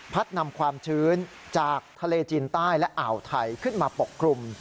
นำความชื้นจากทะเลจีนใต้และอ่าวไทยขึ้นมาปกคลุม